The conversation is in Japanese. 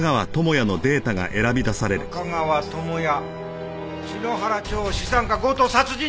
「中川智哉」「篠原町資産家強盗殺人事件」！